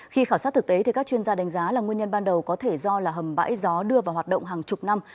khi khảo sát thực tế thì các chuyên gia đánh giá là nguyên nhân ban đầu có thể do là hầm bãi gió đưa vào hoạt động hàng chục năm